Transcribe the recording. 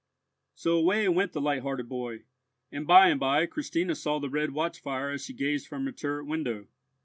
So away went the light hearted boy, and by and by Christina saw the red watch fire as she gazed from her turret window.